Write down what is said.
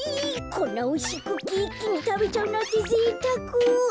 こんなおいしいクッキーいっきにたべちゃうなんてぜいたく。